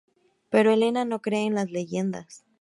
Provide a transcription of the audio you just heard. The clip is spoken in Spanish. Pero Elena no cree en las leyendas.